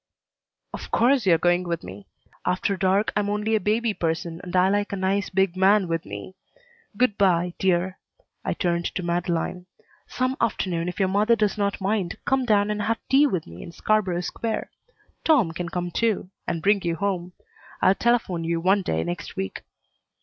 "Of course you're going with me. After dark I'm only a baby person and I like a nice, big man with me! Good by, dear." I turned to Madeleine. "Some afternoon, if your mother does not mind, come down and have tea with me in Scarborough Square. Tom can come, too, and bring you home. I'll telephone you one day next week."